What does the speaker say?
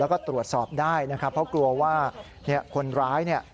แล้วก็ตรวจสอบได้เพราะกลัวว่าคนร้าย